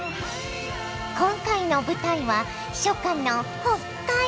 今回の舞台は初夏の北海道！